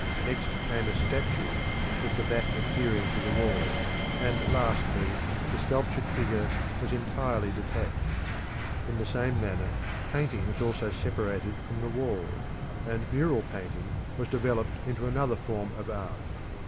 Next came a statue with the back adhering to the wall, and lastly the sculptured figure was entirely detached. In the same manner painting was also separated from the wall; and mural painting was developed into another form of art.